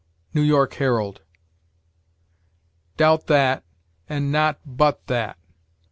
"New York Herald." Doubt that, and not but that.